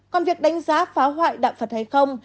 còn việc đánh giá phá hoại đạo phật hay không